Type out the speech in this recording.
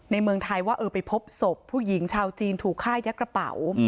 เมืองไทยว่าเออไปพบศพผู้หญิงชาวจีนถูกฆ่ายัดกระเป๋า